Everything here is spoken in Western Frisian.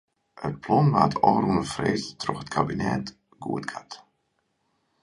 It plan waard ôfrûne freed troch it kabinet goedkard.